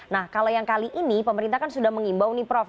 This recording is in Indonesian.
nah kalau yang kali ini pemerintah kan sudah mengimbau nih prof